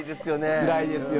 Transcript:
つらいですよ。